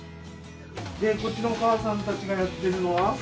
こっちのお母さんたちがやってるのは？